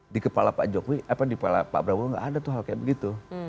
di kepala pak jokowi apa di kepala pak prabowo nggak ada tuh hal kayak begitu